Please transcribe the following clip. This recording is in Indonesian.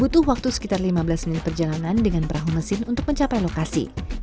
butuh waktu sekitar lima belas menit perjalanan dengan perahu mesin untuk mencapai lokasi